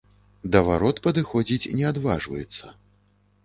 Да варот падыходзіць не адважваецца.